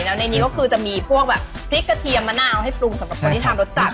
แล้วในนี้ก็คือจะมีพวกแบบพริกกระเทียมมะนาวให้ปรุงสำหรับคนที่ทำรสจัด